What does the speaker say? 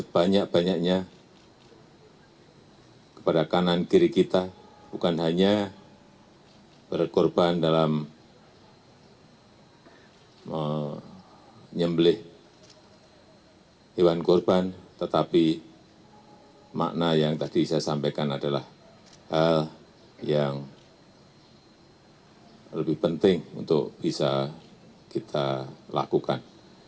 bukan hanya berkorban dalam menyembleh hewan kurban tetapi makna yang tadi saya sampaikan adalah hal yang lebih penting untuk bisa kita lakukan